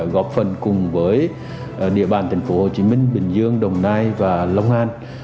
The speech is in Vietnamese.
góp phần cùng với địa bàn tp hcm bình dương đồng nai và long an